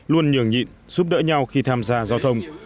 luôn nhường nhịn giúp đỡ nhau khi tham gia giao thông